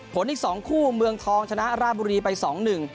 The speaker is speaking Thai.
อีกสองคู่เมืองทองชนะราบุรีไปสองหนึ่ง